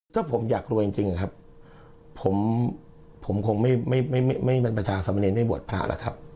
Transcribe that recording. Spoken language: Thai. ถ้าผมอยากรวยจริงครับผมคงไม่เป็นประชาสมเนรไม่บวชพระแล้วครับ